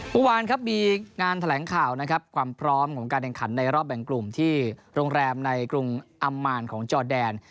เมื่อวานครับมีงานแถลงข่าวนะครับความพร้อมของการแข่งขันในรอบแบ่งกลุ่มที่โรงแรมในกรุงอำมานของจอแดน